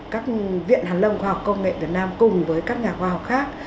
các viện hàn lâm khoa học công nghệ việt nam cùng với các nhà khoa học khác